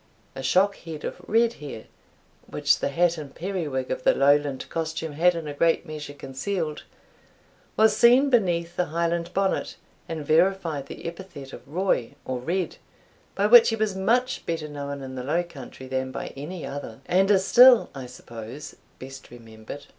A shock head of red hair, which the hat and periwig of the Lowland costume had in a great measure concealed, was seen beneath the Highland bonnet, and verified the epithet of Roy, or Red, by which he was much better known in the Low Country than by any other, and is still, I suppose, best remembered.